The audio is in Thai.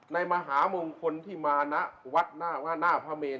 ในมหามงคลที่มาณวัฒนาพเมน